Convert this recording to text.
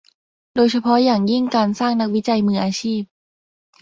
โดยเฉพาะอย่างยิ่งการสร้างนักวิจัยมืออาชีพ